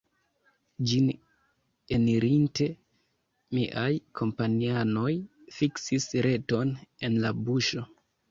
Ĝin enirinte, miaj kompanianoj fiksis reton en la buŝo.